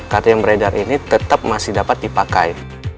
kartu yang beredar ini tetap masih dapat dipakai